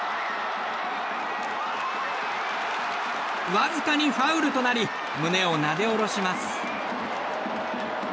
わずかにファウルとなり胸をなでおろします。